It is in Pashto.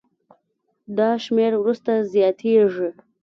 دا شمېر وروسته زیاتېږي.